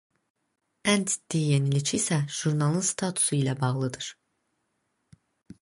Ən ciddi yenilik isə jurnalın statusu ilə bağlıdır.